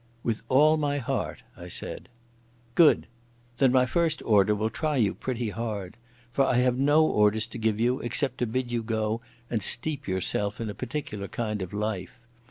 "With all my heart," I said. "Good. Then my first order will try you pretty hard. For I have no orders to give you except to bid you go and steep yourself in a particular kind of life.